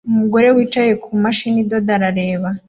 Umugore wicaye kumashini idoda arareba